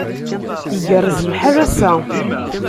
Igerrez lḥal ass-a.